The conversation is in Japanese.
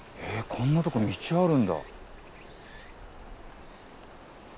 こんなとこに道あるんだ。